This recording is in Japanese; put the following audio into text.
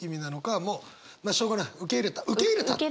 もうまあしょうがない受け入れた受け入れたっていう。